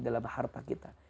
dalam harta kita